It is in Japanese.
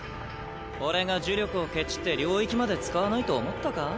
俺が呪力をケチって領域まで使わないと思ったか？